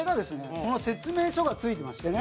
この説明書が付いてましてね。